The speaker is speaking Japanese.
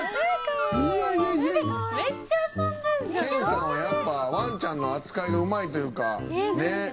研さんはやっぱワンちゃんの扱いがうまいというかねっ。